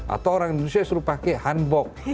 atau orang indonesia suruh pakai hanbok